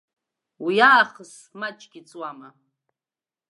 Уи аахыс маҷгьы ҵуама.